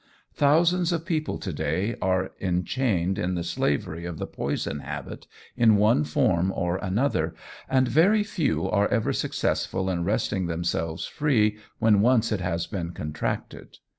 Thousands of people to day are enchained in the slavery of the poison habit in one form or another, and very few are ever successful in wresting them selves free when once it has been contracted.